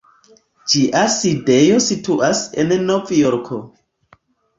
Ĝia sidejo situas en Novjorko.